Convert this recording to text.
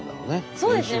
そうですね。